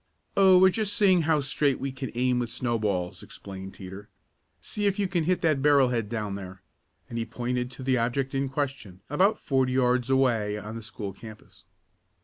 "Oh, we're just seeing how straight we can aim with snowballs," explained Teeter. "See if you can hit that barrel head down there," and he pointed to the object in question, about forty yards away on the school campus.